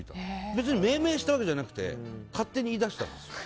別に命名したんじゃなくて勝手に言い出したんですよ。